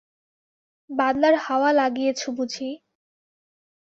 বাদলার হাওয়া লাগিয়েছ বুঝি?